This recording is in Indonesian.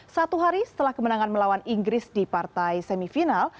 satu hari setelah kemenangan melawan inggris di partai semifinal